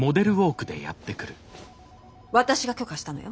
私が許可したのよ。